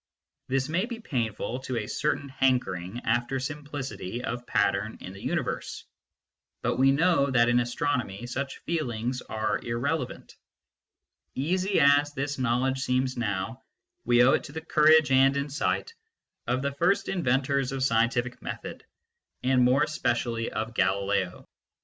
This may be painful to a certain hankering after simplicity of pattern in the universe, but we know that in astronomy such feelings are irre levant. Easy as this knowledge seems now, we owe it to the courage and insight of the first inventors of scien tific method, and more especially of Galileo.